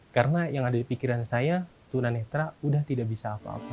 karena yang ada di pikiran saya tuhan netra sudah tidak bisa apa apa